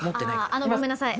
あのごめんなさい。